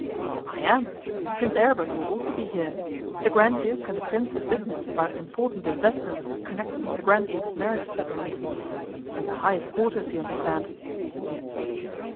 'I am. Prince Aribert will also be here. The Grand Duke and the Prince have business about important investments connected with the Grand Duke's marriage settlement.... In the highest quarters, you understand.